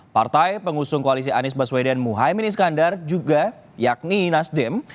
partai pengusung koalisi anies baswedan muhaymin iskandar juga yakni nasdem